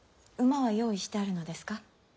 馬は用意してあるのですか？